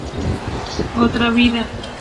Otra vida